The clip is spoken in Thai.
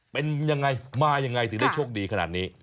เป็นยังไงมายังไงถึงได้โชคดีขนาดนี้